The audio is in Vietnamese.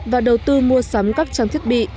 và đầu tư mua sắm các trang thiết bị